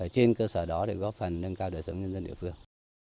trên cơ sở đó để góp phần nâng cao đời sống nhân dân địa phương